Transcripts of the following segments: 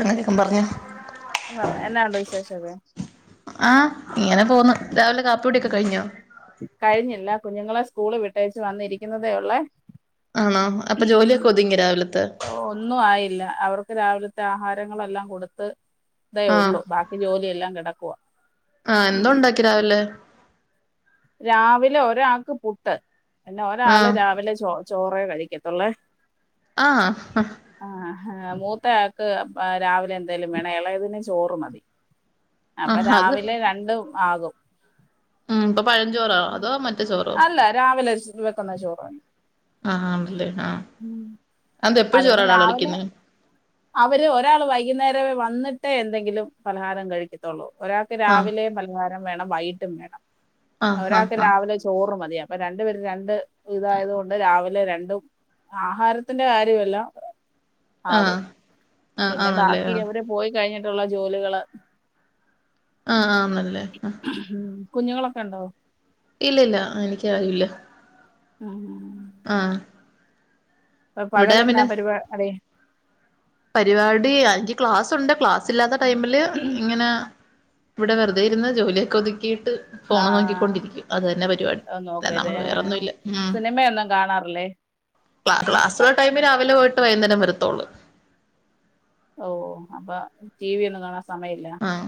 അങ്ങനെയൊക്കെ പറഞ്ഞോ എന്നാണ്ടോ വിശേഷം ഒക്കെ. ആഹ് ഇങ്ങനെ പോകുന്നു, രാവിലെ കാപ്പി കുടിയൊക്കെ കഴിഞ്ഞോ? കഴിഞ്ഞില്ല കുഞ്ഞുങ്ങളെ സ്കൂള് വിട്ടേ ച്ചു വന്നിരിക്കുന്നതേ ഉള്ളെ ആണോ അപ്പൊ ജോലിയൊക്കെ ഒതുങ്ങിയൊ രാവിലത്തെ ഒന്നുആയില്ല അവർക്ക് രാവിലത്തെ ആഹാരങ്ങളെല്ലാം കൊടുത്ത് ഇതേ ആഹ് ഉള്ളൂ ബാക്കി ജോലിയെല്ലാം കിടക്കുവാ ആ എന്ന ഉണ്ടാക്കി രാവിലെ രാവിലെ ഒരാൾക്ക് പുട്ട് പിന്നെ ഒരാള് ആഹ് രാവിലെ ചോ ചോറേ കഴിക്കത്തുള്ളേ ആ ആ ആ ആ മൂത്തയാക്ക് രാവിലെ എന്തേലും വേണം ഇളയതിന് ചോറ് മതി അപ്പൊ ആഹ് അത് രാവിലെ രണ്ടും ആകും ആ ഇപ്പൊ പഴഞ്ചോറാ അതോ മറ്റേ ചോറോ അല്ല രാവിലെ വെക്കുന്ന ചോറാണ് ആ ഉണ്ട് ആ എന്താ എപ്പഴ അതുകൊണ്ട് ചോറള രാവിലെ വെക്കുന്ന അവര് ഒരാള് വൈകുന്നേര വന്നിട്ടേ എന്തെങ്കിലും പലഹാരം കഴിക്കൂ പത്തുള്ളൂ ഒരാൾക്ക് ആഹ് രാവിലെ പലഹാരം വേണം വൈകീട്ടും വേണം ആഹ് ആഹ് ഒരാൾക്ക് ആഹ് രാവിലെ ചോറ് മതി അപ്പൊ രണ്ടുപേരും രണ്ട് വിതായത് കൊണ്ട് രാവിലെ രണ്ടും ആഹാരത്തിന്റെ കാര്യമെല്ലാം ആ ആകും പിന്നെ ബാക്കി അവര് പോയി കഴിഞ്ഞിട്ടുള്ള ജോലികള് ആന്നല്ലേ കുഞ്ഞുങ്ങളൊക്കെ ഉണ്ടോ ഇല്ല ഇല്ല എനിക്കാരൂല്ല ആഹ് ആഹ് ഓ ഇവിടെ പകലെന്നാ പരിപാടി പരിവാടി എനിക്ക് ക്ലാസുണ്ട് ക്ലാസ് ഇല്ലാത്ത ടൈമില് ഇങ്ങനെ ഇവിടെ വെറുതെയിരുന്ന് ജോലിയൊക്ക ഒതുക്കിയിട്ട് ആ ഫോണ് നോക്കിക്കൊണ്ടിരിക്കും അത് തന്നെ പരിപാടി ഒന്ന് നോക്കരുത് നമ്മള് വേറൊന്നുല്ല ഉം സിനിമയൊന്നും കാണാറില്ലേ ക്ലാസ്സുള്ള ടൈമില് രാവിലെ പോയിട്ട് വൈന്നേരം വരത്തോള്ളൂ ഓ അപ്പൊ ടി വി ഒന്നും കാണാൻ സമയല്ല ആഹ്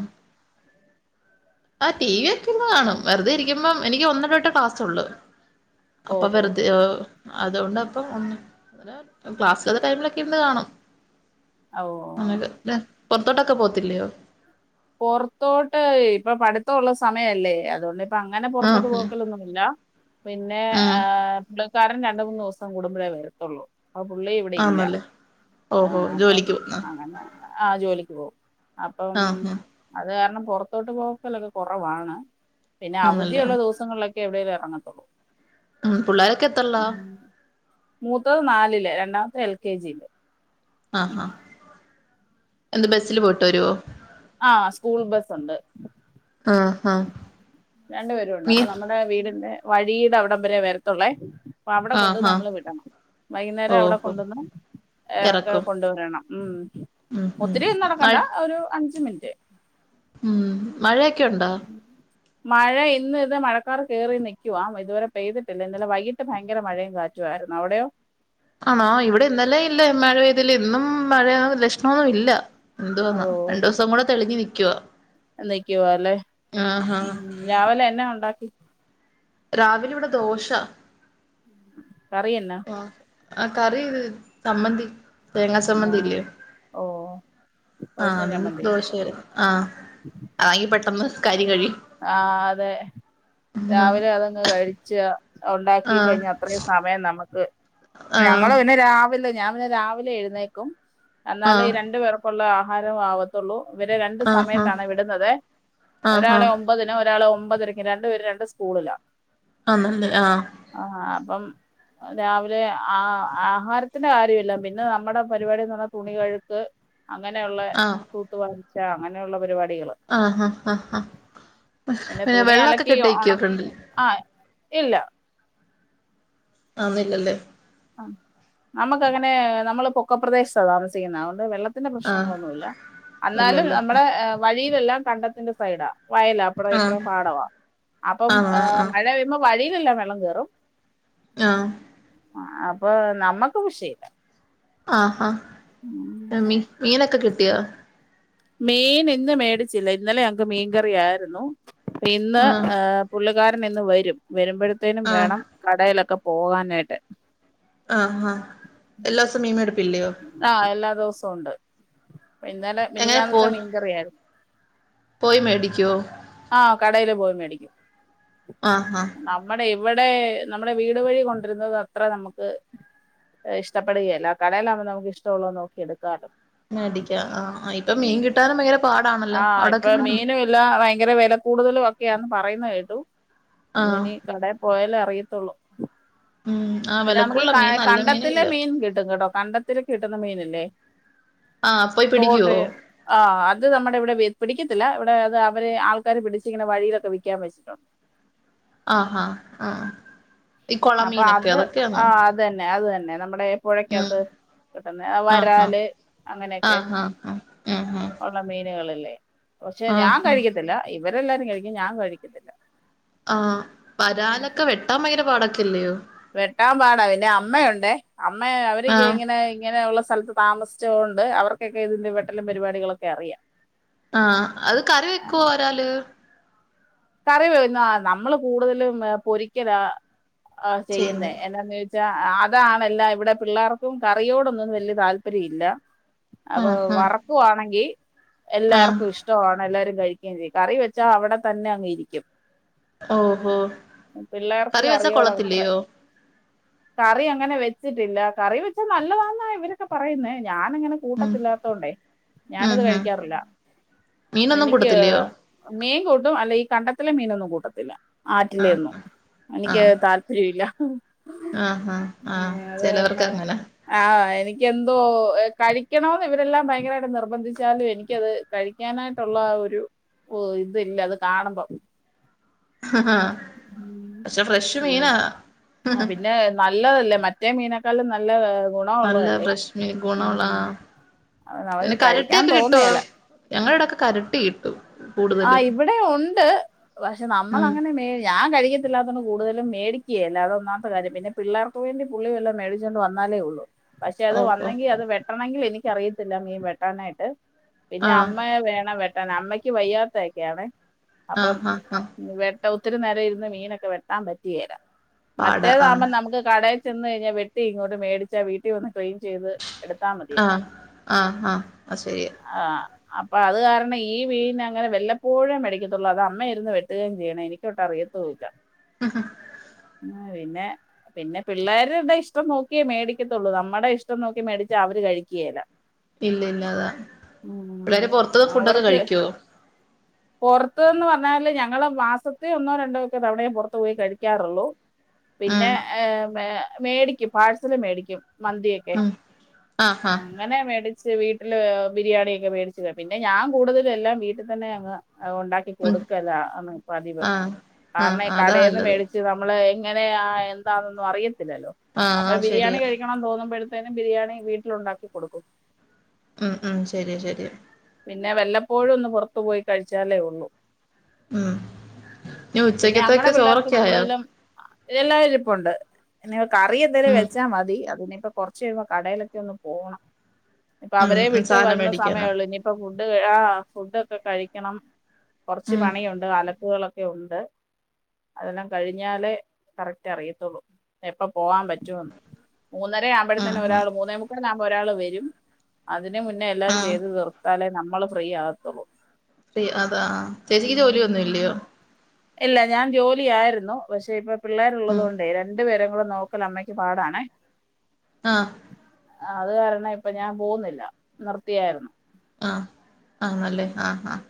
ആ ടി വി ഒക്കെയിരുന്ന് കാണും വെറുതെ ഇരിക്കുമ്പം എനിക്ക് ഒന്ന് തൊട്ടേ ക്ലാസുള്ളു അപ്പൊ ഓഹോ വെറുതെയോ അതോണ്ട് അപ്പം ഒന്ന് അ ക്ലാസ്സില്ലാ ത്തെ ടൈമിലൊക്കെ ഇരുന്നു കാണും ഓ [unintelligible] പൊറത്തോട്ടൊക്കെ പോകത്തില്ലയോ പൊറത്തോട്ട് ഇപ്പൊ പഠിത്തള്ള സമയല്ലേ അതുകൊണ്ട് ഇപ്പങ്ങനെ ആഹ് പുറത്തോട്ട് ഉം പോക്കലൊന്നുമില്ല പിന്നെ ഉം ആ പുള്ളിക്കാരൻ രണ്ട് മൂന്ന് ദിവസം കൂടുമ്പളെ വരത്തുള്ളൂ അപ്പൊ പുള്ളി ഇവിടെ ഇല്ല ആന്നല്ലേ ആ ഓഹോ അപ്പം ജോലിക്ക് പോവുന്ന അങ്ങനെ ആ ജോലിക്ക് പോകും അപ്പം ആഹ് ഉം അത് കാരണം പുറത്തോട്ട് പോക്കലൊക്കെ കുറവാണ് പിന്നെ ആന്നല്ലേ അവധിയുള്ള ദിവസം സങ്ങളിലൊക്കെ എവിടേ ഇറങ്ങത്തുള്ളൂ ഉം പുള്ളോരൊക്കെ എത്രല്ലാ മൂത്തത് നാലില് രണ്ടാമത്തെ എൽ കെ ജില് ആഹാ എന്ത് ബസിൽ പോയിട്ട് വരുവോ ആഹ് സ്കൂൾ ബസ്സ്ണ്ട് ആഹാ രണ്ടു പേരുണ്ട് അപ്പൊ നമ്മുടെ വീടിന്റെ വഴീടെ അവിടം വരെ വരത്തുള്ളേ അവിടെ കൊണ്ട് ആഹ് ആഹ് നമ്മള് വിടണം വൈകുന്നേരം അവിടെ ഓഹോ കൊണ്ടുവന്ന് ഇറക്ക ഇറക്കും കൊണ്ടുവരണം ഉം ഉം ഉം ഒത്തിരിയൊന്നും മഴ നടക്കണ്ട ഒരു അഞ്ച് മിനിറ്റ് ഉം മഴക്കെണ്ടോ മഴ ഇന്ന് ഇത് മഴക്കാർ കയറി നൽക്കുവാ ഇതുവരെ പെയ്തിട്ടില്ല ഇന്നലെ വൈകിട്ട് ഭയങ്കര മഴയും കാറ്റും റ്റുവായിരുന്നു അവിടെയോ ആണോ ഇവിടെ ഇന്നലെ ഇല്ല മഴ പെയ്തില്ല ഇന്നും മഴ ലക്ഷണമൊന്നും ഇല്ല എന്തു വന്നാ രണ്ടു ദിവസം കൂടെ തെളിഞ് നിൽക്കുവാ നക്കിവാ അല്ലേ രാവിലെ എന്ന ഉണ്ടാക്കി രാവിലെ ഇവിടെ ദോശ കറി എന്നാ ആഹ് കറി സമ്മന്തി തേങ്ങാസമ്മന്തി ഇല്ലേ ആഹ് ഓ ദോശയും ആഹ് ചമ്മന്തിയും ദോഷായിരുന്നു ആഹ് അതങ്ങ് പെട്ടെന്ന് കാര്യം കഴിയും ആഹ് അതെ രാവില ആഹ് അതങ്ങ് കഴിച്ച ഉണ്ടാക്കി ആഹ് കഴിഞ്ഞ അത്രയും സമയം നമുക്ക് ഞങ്ങള് പിന്നെ രാവിലെ ഞാൻ പിന്നെ രാവിലെ എഴുന്നേക്കും എന്നാലെ ഈ ആഹ് രണ്ടു പേർക്കുള്ള ആഹാരം ആവത്തു ത്തൂള്ളൂ ഇവരെ രണ്ടു ആഹ് സമയത്താണെ വിടുന്നത് ആഹ് ആഹ് ഒരാളെ ഒ ഒമ്പതിനും ഒരാളെ ഒമ്പതരക്കിം രണ്ട് പേര് രണ്ട് സ്കൂളിലാ ആണല്ലേ ആഹ് ആഹ് അപ്പം രാവിലെ ആഹ് ആഹാരത്തിന്റെ കാര്യല്ല പിന്നെ നമ്മടെ പരിപാടിന്ന് പറഞ്ഞാ തുണികഴുക്ക്. അങ്ങനെയുള്ള ആഹ് കൂത്തുവാഴ്ച അങ്ങനെയുള്ള പരിപാടികള്. ആഹ് ഹാ, ഹാ, ഹാ, ഹാ പിന്നെ പിന്ന തുണി വെള്ളക്കെ അലക്കി ഒണ കെട്ടിക്കിയോ ഫ്രണ്ടിൽ. ആഹ് ഇല്ല. ആന്നു ല്ലല്ലേ. ആഹ് നമക്ക് അങ്ങനെ നമ്മള് പൊക്കപ്രദേശത്താ താമസിക്കുന്നേ. അതോണ്ട് വെള്ള ത്തിന്റെ ആഹ് പ്രശ്നങ്ങളൊന്നുല്ല. എന്നാലും ഇല്ലല്ലേ നമ്മടെ വഴിയിലെല്ലാം കണ്ടത്തിന്റെ സൈഡാ വയലാ. അവിടെ ആഹ് ഇപ്രം പാടവാ അപ്പം ആഹ് ആഹ് മഴ പെയ്യുമ്പോ വഴിയിലെല്ല വെള്ളം കേറും. ആഹ്. ആ അപ്പൊ നമ്മക്ക് വിഷയില്ല. ആഹാ. ഉം. അമ്മീ മീനൊക്ക കിട്ടിയോ? മീൻ ഇന്ന് മേടിച്ചില്ല. ഇന്നലെ ഞക് മീൻകറിയായിരുന്നു. ഇന്ന് ആഹ്. പുള്ളുകാരൻ ഇന്ന് വരും വരുമ്പോഴത്തേനും ആഹ് വേണം കടയിലൊക്കെ പോകാനായിട്ട്. ആഹ് ഹാ എല്ലാസം മീംമെടുപ്പില്ലയോ. ആഹ് എല്ലാ ദെവസോം ഒണ്ട്. ഇന്നലെ എങ്ങനെ മിനിയാന്ന്തെ പോയി മീൻകറിയാരുന്നു. പോയി മേടിക്കുവോ ആഹ് കടേല് പോയി മേടിക്കും. ആഹ് ഹാ. നമ്മടെ ഇവിടെ നമ്മടെ വീട് വഴി കൊണ്ടരുന്നത് അത്ര നമുക്ക്. ഇഷ്ടപ്പെടുകേല്ല. കടലെആവുമ്പോ നമുക്ക് ഇഷ്ടൊള്ളത് നോക്കി എടുക്കാലോ. മേടിക്ക ആഹ് ഇപ്പൊ ഉം മീം കിട്ടാനും ഭയങ്കര പാടാണല്ലോ. അവിടക്കെ എങ്ങനെണ്ട് ല്ല, ഭയങ്കര വെല കൂടുതലു ഒക്കെയാന്ന് പറയുന്ന കേട്ടു. ആഹ് ഇന്നിനി കടേ പോയാലേ അറിയത്തുള്ളൂ. ഉം. ആ പിന്നെ നമക്ക് ഈ വിലക്കുള്ള ക മീൻ നല്ല മീനും കണ്ടത്തിലെ ഇല്ല മീൻ കിട്ടും കേട്ടോ കണ്ട ത്തില് കിട്ടുന്ന മീന്ല്ലേ ആഹ് പോയി തോട് പിടിക്കുവോ ആഹ് അത് നമ്മടെ ഇവിടെ പിടിക്കത്തില്ല ഇവിടെ അത് അവര് ആൾക്കാര് പിടിച്ച് ഇങ്ങനെ വഴിയിലൊക്കെ വിക്കാൻ വെച്ചിട്ടുണ്ട്. ആഹ് ഹ ആഹ്. ഈ കൊള അപ്പൊ മീനൊക്കെ അത് അതൊക്കെയാണോ ആഹ് അതന്നെ, അതന്നെ നമ്മുടെ ഉം പുഴക്കത്ത് കിട്ടുന്ന ആഹ് വരാല് അങ്ങനെക്കെ. ആഹ് ആഹ് ആഹ് ആഹ് ഉം ഉം ള്ള മീനുകളില്ലേ പക്ഷെ ഞാൻ ആഹ് ആഹ് കഴിക്കത്തില്ല ഇവരെല്ലാരും കഴിക്കും. ഞാൻ കഴിക്കത്തില്ല. ആ, വരാലക്കെ വെട്ടാൻ ഭയങ്കര പാടൊക്കെയല്ലിയോ. വെട്ടാൻ പാടാ പിന്നെ അമ്മയുണ്ടേ, അമ്മ അവർക്ക് ആഹ് ഇങ്ങനെ, ഇങ്ങനെ ഒള്ള സ്ഥല താമസിച്ചകൊണ്ട് അവർക്കൊക്കെ ഇതിന്റെ വെട്ടലും പരിപാടികളൊക്കെ അറിയാം. ആ, അത് കറി വെക്കുവോ വരാല്? കറി വേവ്ന്നാ നമ്മള് കൂടുതലും പൊരിക്കല ചെയ്യുന്നേ. ചെയ്യുന്നത് എന്നാന്ന് ചോ ച്ച അതാണല്ല ഇവിടെ പിള്ളേർക്കും കറിയോടൊന്നും വല്യ താല്പര്യം ഇല്ല. അപ്പൊ ആഹ് ആഹ് വറക്കുവാണെങ്കി ആഹ് എല്ലാർക്കും ഇഷ് ട്ടൊആണ് എല്ലാരും കഴിക്കേം ചെയ്യും, കറി വെച്ചാ അവിടെ തന്നെ അങ്ങ് ഇരിക്കും. ഓഹോ പിള്ളേർക്ക് കറി വെച്ചാ കറിയോടത്രേ കൊള്ളത്തില്ലയോ കറി അങ്ങനെ വെച്ചിട്ടില്ല, കറി വെച്ചാ നല്ലതാന്ന ഇവരൊക്കെ പറയുന്നെ ഞാനങ്ങനെ ഉം കൂട്ടത്തില്ലാത്തോണ്ടേ ഉം ഞാനത് ഉം കഴിക്കാറില്ല. മീനൊന്നും എനിക്ക് കൂട്ടത്തില്ലയോ മീൻ കൂട്ടും അല്ലെ ഈ കണ്ടത്തിലെ മീനൊന്നും കൂട്ടത്തില്ല. ആഹ് ആറ്റിലെയൊന്നും എനിക്ക് താല് പ്പര്യോല്ല. ആ, ആ, ആ ചെലോർക്ക് അങ്ങനാ. ആ, എനിക്കെന്തോ കഴിക്കണോന്ന് ഇവരെല്ലാം ഭയങ്കരായിട്ട് നിർബന്ധിച്ചാലും എനിക്കത് കഴിക്കാനായിട്ടൊള്ള ഒരു ഇതില്ല അത് കാണുമ്പം. പക്ഷെ ഫ്രഷ് മീന. പിന്നെ ആഹ് പിന്നെ നല്ലതല്ലേ മറ്റേ മീനക്കാളും നല്ല നല്ല ഗുണമുള്ളതല്ലേ ഫ്രഷ് മീൻ ഗുണം ഉള്ളതാ ഉം അവന് ഈ കഴിക്കാൻ കരട്ടിയൊക്കെ കിട്ടുവോ തോന്നുകേല ഞങ്ങടെ അവിടൊക്കെ കരട്ടി കിട്ടും ആ കൂടുതലും ഇവിടെയും ഉണ്ട് പക്ഷെ നമ്മള് ഉം അങ്ങനെ മേ ഞാൻ കഴിക്കത്തില്ലാത്തോണ്ട് കൂടുതലും മേടിക്കേല്ല അതൊന്നാമത്തെ കാര്യം പിന്നെ പിള്ളേർക്ക് വേണ്ടി പുള്ളി വല്ലോം മേടിച്ചോണ്ട് വന്നാലേ ഉള്ളൂ പക്ഷെ അത് ഓഹ് ഓഹ് വന്നെങ്കി അത് വെട്ടണെങ്കിൽ എനിക്ക് അറിയത്തില്ല മീൻ വെട്ടാനായിട്ട് പിന്നെ ആഹ് അമ്മെയെ വേണം വെട്ടാൻ അമ്മയ്ക്ക് വയ്യാത്ത ഒക്കെയാണേ അപ്പം ആഹ് ആഹ് ആഹ് വെ ഒത്തിരി നേരം ഇരുന്ന് മീനൊക്കെ വെട്ടാൻ പറ്റുകേല പാട ആഹ് മറ്റേതാകുമ്പോം നമുക്ക് കട ചെന്ന് കഴിഞ്ഞാൽ വെട്ടി ഇങ്ങോട്ട് മേടിച്ചാ വീട്ടിൽ വന്ന് ക്ലീൻ ചെയ്ത് എടുത്താ മതിയല്ലോ ആഹ് ആഹ് ആഹ് അത് ശരിയാ ആഹ് അപ്പൊ അത് കാരണം ഈ മീന് അങ്ങനെ വല്ലപ്പോഴുമേ മേടിക്കത്തുള്ളൂ അത് അമ്മ ഇരുന്ന് വെട്ടുകയും ചെയ്യണം എനി നിക്കൊട്ട് അറിയത്തുമില്ല ഉം ആഹ് പിന്നെ പിന്നെ പിള്ളേരുടെ ഇഷ്ടം നോക്കിയേ മേടിക്കത്തുള്ളൂ നമ്മുടെ ഇഷ്ടം നോക്കി മേടിച്ചാ അവര് കഴിക്കുകേല്ല പിന്നെ എന്നതാ ഉം പിള്ളേര് പൊറത്ത് പോയി ഫുഡൊക്കെ കഴിക്കുവോ പുറത്തൂന്ന് പറഞ്ഞാല് ഞങ്ങള് മാസ ത്തിൽ ഒന്നോ രണ്ടോ ഒക്കെ തവണയേ പുറത്ത് പോയി കഴിക്കാറുള്ളൂ പിന്നെ ഉം മേടി മേടിക്കും പാഴസല് മേടിക്കും മന്തി ഒക്കെ ഉം ആഹ് അങ്ങനെ മേടിച്ച് വീട്ടില് ബിരിയാണിയൊക്കെ മേടിച്ച് പിന്നെ ഞാൻ കൂടുതലും എല്ലാം വീട്ടിൽ തന്നെ അങ്ങ് അ ഉണ്ടാക്കി ഉം കൊടുക്കലാണ് പതിവ് ആഹ് കാരണം ആഹ് ഈ അതാ കടയിന്ന് നല്ലത് മേടിച്ച് നമ്മള് എങ്ങനെയാ എന്താന്നൊന്നും അറിയത്തില്ലല്ലോ ആഹ് അപ്പൊ ബിരിയാണി ശരിയാ കഴിക്കണം തോന്നുമ്പോഴത്തേനും ബിരിയാണി വീട്ടിൽ ഉണ്ടാക്കി കൊടുക്കും ഉം ഉം ശരിയാ ശരിയാ പിന്നെ വല്ലപ്പോഴും ഒന്ന് പുറത്ത് പോയി കഴിച്ചാലേ ഉള്ളൂ ഉം ഇനി പിന്നെ ഞങ്ങടെ ഉച്ചക്കത്തേക്ക് പിള്ളേർക്ക് ചോറൊക്കെ ആയോ കൂടുതലും എല്ലാം ഇരിപ്പുണ്ട് ഇനി കറി എന്തേലും ഉം വെച്ചാ മതി അത് ഇനി ഇപ്പൊ കൊറച്ച് കഴിയുമ്പോ കടയിലൊക്കെ ഒന്ന് പോണം ഇപ്പൊ അവരേ ഉം വിട്ട് സാധനം വന്ന മേടിക്കാനാ സമയുള്ളൂ ഇനി ഇപ്പ ഫുഡ് ആഹ് ഫുഡൊക്കെ കഴിക്കണം കുറച്ച് ഉം പണിയുണ്ട് അല ക്കുകളൊക്കെ ഉണ്ട് അതെല്ലാം കഴിഞ്ഞാലേ കറക്റ്റ് അറിയത്തുള്ളൂ എപ്പ പോവാാൻ പറ്റുമെന്ന് മൂന്നര ഉം ആവുമ്പോഴേത്തന് ഉം ഒരാൾ, മൂന്നേ മുക്കാൽ ആകുമ്പോൾ ഒരാള് വരും അതിന് മുന്നേ എല്ലാം ഉം ചെയ്ത് തീർ ത്താലേ നമ്മള് ഫ്രീ ആകത്തുള്ളൂ അതാ ചേച്ചിക്ക് ജോലിയൊന്നും ഇല്ലയോ ഇല്ല ഞാൻ ജോലി ആയിരുന്നു പക്ഷെ ഇപ്പ പിള്ളേരുള്ളത് ഉം കൊണ്ട് രണ്ടു പേരെയും കൂടെ നോക്കല് അമ്മക്ക് പാടാണേ ആഹ് അത് കാരണം ഇപ്പൊ ഞാൻ പോവുന്നില്ല നിർത്തിയാരുന്നു ആഹ് ആണല്ലേ ആഹ് ആഹ്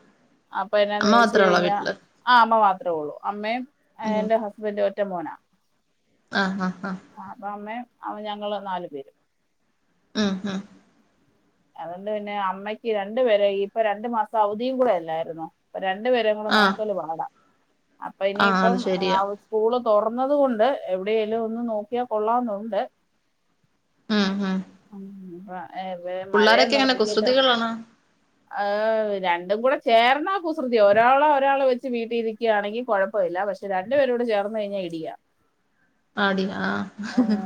അപ്പൊ എന്നാന്ന് അമ്മ ചോദിച്ച് മാത്രേ ഉള്ളോ കഴിഞ്ഞ വീട്ടില് ആ അമ്മ മാത്രേ ഉള്ളു അമ്മയും ഉം എന്റെ ഹസ്ബഡും ഒറ്റ മോനാ ആഹ് ആഹ് ആഹ് ആഹ് അപ്പൊ അമ്മയും ഞങ്ങള് നാലു പേരും ആഹ് ആഹ് അതുകൊണ്ട് പിന്നെ അമ്മയ്ക്ക് രണ്ട് പേരെയും ഇപ്പൊ രണ്ടു മാസം അവധിയും കൂടെ അല്ലാരുന്നോ അപ്പോ രണ്ടു പേരയും കൂടെ ആഹ് നോക്കല് പാടാ അപ്പൊ ആഹ് ഇനിയിപ്പം അത് ആ ശരിയാ സ്കൂള് തുറന്നത് കൊണ്ട് എവിടെയേലും ഒന്ന് നോക്കിയാ കൊള്ളാന്നുണ്ട് ഉം ഉം പിള്ളാരൊക്കെ മഴയൊന്ന് എങ്ങനെ കഴിയട്ടെ കുസൃതികളാണോ ഏഹ് രണ്ടും കൂടെ ചേർന്നാ കുസൃതിയാ ഒരാള് ഒരാള് വെച്ച് വീട്ടിലിരി ക്കാണെങ്കി കുഴപ്പമില്ല പക്ഷെ രണ്ടു പേരൂടെ ചേർന്ന് കഴിഞ്ഞാൽ ഇടിയാ ആടി ആഹ്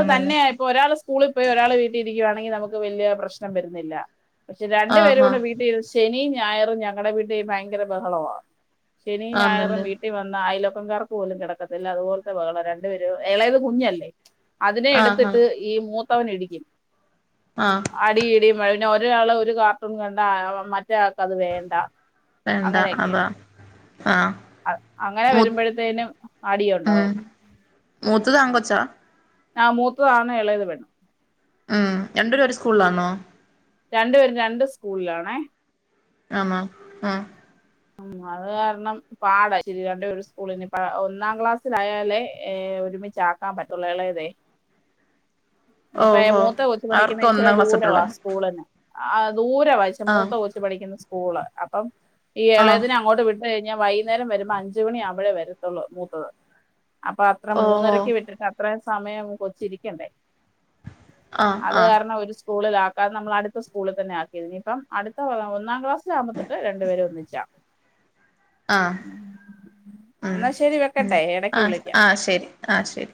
ആണല്ലെ പ്പൊ ഒരാൾ സ്കൂളി പോയി ഒരാള് വീട്ടിലിരിക്കാണെങ്കിൽ നമക്ക് വല്ല്യ പ്രശ്നം വരുന്നില്ല പക്ഷെ രണ്ടു ആഹ് പേരും കൂടെ ആഹ് വീട്ടിൽ ശനിയും ഞായറും ഞങ്ങടെ വീട്ടി ഭയങ്കര ബഹളവാ ശനിം ഞായറും ആന്നല്ലേ വീ ട്ടി വന്ന അയലോക്കകാർക്ക് പോലും കിടക്കത്തില്ല അതുപോലത്തെഹളം രണ്ടുപേര് ഇളയത് കുഞ്ഞല്ലേ അതിനെ ആഹ് എടുത്തിട്ട് ആഹ് ഈ മൂത്തവനിടിക്കും ആഹ് അടിയിടിയുമഴ പിന്നെ ഒരാള് ഒരു കാർട്ടൂൺ കണ്ട മറ്റേയാൾക്ക് അത് വേണ്ട വേണ്ടാ അങ്ങനെയൊക്കെ അതാ ആഹ് അങ്ങനെ മൂ വരുമ്പോഴത്തേനും അടിയുണ്ടാവും മൂത്തതാൺകൊച്ച ആഹ് മൂത്തതാണ് ഇളയത് പെണ്ണ് ഉം രണ്ടെരു ഒരു സ്കൂളിലാണോ രണ്ടു പേരും രണ്ട് സ്കൂളിലാണെ ആന്നോ ആഹ് അത് കാരണം പാട രണ്ട് ഒരു സ്കൂളിന് ഒന്നാം ക്ലാസ്സിലായാലേ ഒരുമിച്ച ആക്കാൻ പറ്റുള്ള എളേതെ ഞ്ഞ്പ്പ ഓഹോ മൂത്ത കൊച്ചു അവർക്ക് പഠിക്കുന്ന ഇച്ചിരി ഒന്നാം ക്ലാസ് ദൂരവാ തൊട്ടുള്ളോ സ്കൂള് ആഹ് ദൂരെവാ ആഹ് മൂത്ത കൊച്ചു പഠിക്കുന്ന സ്കൂള് അപ്പം ഈ ആഹ് ഇളയത്തിന് അങ്ങോട്ട് വിട്ടു കഴിഞ്ഞാ വൈകുന്നേരം വരുമ്പോ അഞ്ച് മണി ആവുമ്പഴേ വരത്തുള്ളൂ മൂത്തത് അപ്പൊ അത്ര ഓഹോ മൂന്നരക്ക് വിട്ടിട്ട് അത്ര സമയം കൊച്ചിരിക്കണ്ടേ ആഹ് അത് ആഹ് കാരണം ഒരു സ്കൂളില കാരണം നമ്മള അടുത്ത സ്കൂള് തന്നെ ആക്കിയത് ഇനിപ്പ അടുത്ത കൊല്ലം ഒന്നാം ക്ലാസ് ആകുമ്പോ തൊട്ട് രണ്ട് പേര് ഒന്നിച്ച് ആഹ് ഉം എന്നാ ശരി ഉം വെക്കട്ടെ എടക്ക് ആഹ് വിളിക്കാം ആഹ് ശരി ആഹ് ശരി